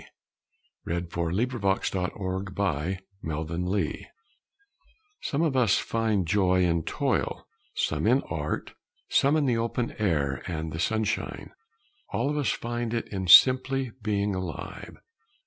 _ PRAISE THE GENEROUS GODS FOR GIVING Some of us find joy in toil, some in art, some in the open air and the sunshine. All of us find it in simply being alive.